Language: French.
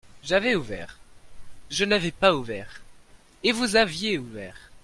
J'avais ouvert, je n'avais pas ouvert, et vous aviez ouvert